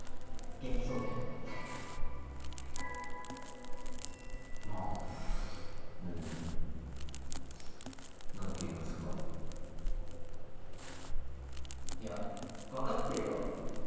元気そうでまぁうんなんと言いますかいや分かってるよ